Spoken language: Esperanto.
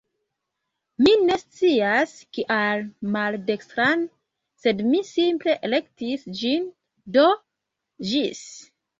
Mi ne scias, kial maldekstran, sed mi simple elektis ĝin. Do ĝis!